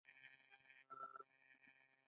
هغه په بګرام او کندهار کې کلاګانې جوړې کړې